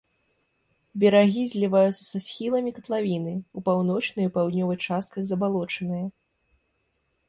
Берагі зліваюцца са схіламі катлавіны, у паўночнай і паўднёвай частках забалочаныя.